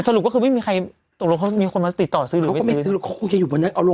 แต่สรุปก็คือไม่มีใครตกลงเขามีคนมาติดต่อซื้อหรือไม่ซื้อ